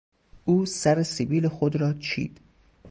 او سر سبیل خود را چید.